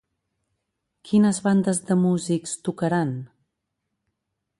Quines bandes de músics tocaran?